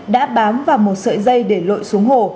đã bám vào một sợi dây để lội xuống hồ